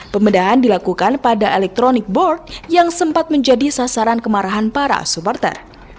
pembedahan dilakukan pada electronic board yang sempat menjadi sasaran kemarahan para supporter